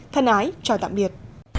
thân ái chào tạm biệt